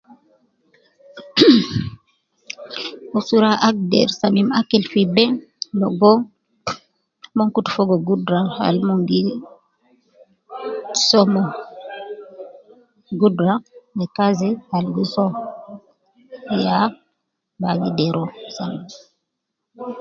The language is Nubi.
Khmm,usra agder samim akil fi bee logo mon kutu fogo gudura al mon gi ,soo moo, gudura me kazi al gi soo, yaa bi agder uwo ,asanti